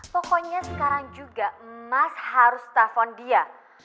pokoknya sekarang juga mas harus telfon dia